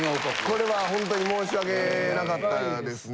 これは本当に申し訳なかったですね。